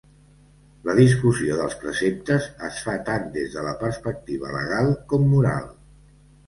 La discussió dels preceptes es fa tant des de la perspectiva legal com moral.